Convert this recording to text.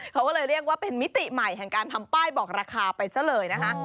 เขาก็เลยเรียกว่าเป็นมิติใหม่แห่งการทำป้ายบอกราคาไปซะเลยนะคะ